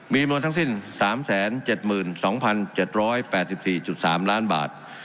มีรวมทั้งสิ้น๓๗๒๗๘๔๓ล้านบาท